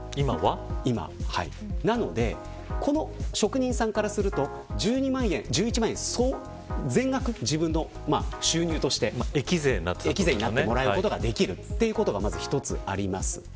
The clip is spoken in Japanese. なので、この職人さんからすると１１万円全額、自分の収入として益税になってもらうことができるということがあります。